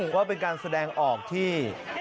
ว่าเป็นการแสดงออกที่